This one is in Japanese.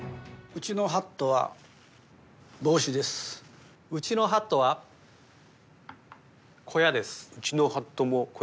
うちのハットも小屋です。